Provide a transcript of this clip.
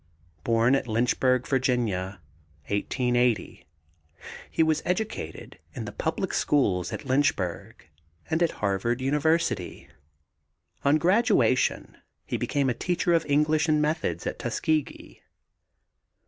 Born at Lynchburg, Va., 1880. He was educated in the public schools at Lynchburg and at Harvard University. On graduation he became a teacher of English and methods at Tuskegee.